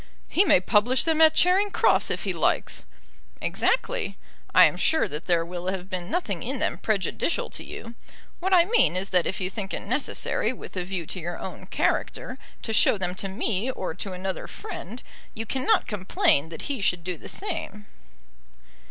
"He may publish them at Charing Cross if he likes." "Exactly. I am sure that there will have been nothing in them prejudicial to you. What I mean is that if you think it necessary, with a view to your own character, to show them to me or to another friend, you cannot complain that he should do the same."